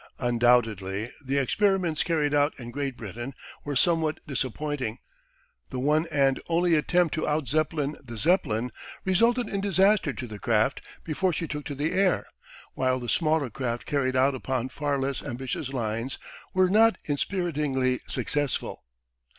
Undoubtedly the experiments carried out in Great Britain were somewhat disappointing. The one and only attempt to out Zeppelin the Zeppelin resulted in disaster to the craft before she took to the air, while the smaller craft carried out upon far less ambitious lines were not inspiritingly successful.